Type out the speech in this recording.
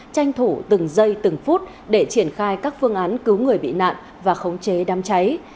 tranh thủ từng giây từng phút để triển khai các phương án cứu người bị nạn và khống chế đám cháy